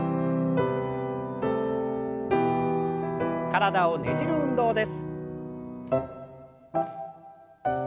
体をねじる運動です。